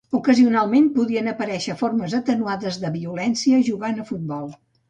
Ocasionalment, podien aparèixer formes atenuades de violència jugant a futbol.